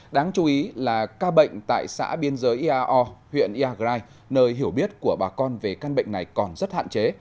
đáng chú ý là ca bệnh tại xã biên giới iao huyện iagrai nơi hiểu biết của bà con về căn bệnh này còn rất hạn chế